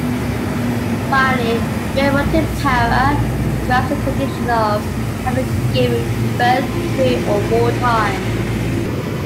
Finally, "grand multipara" describes the condition of having given birth three or more times.